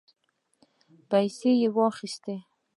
پيسې به يې اخيستې.